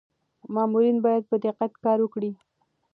مامورین باید په دقت کار وکړي.